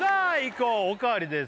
こうおかわりです